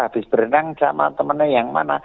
habis berenang sama temennya yang mana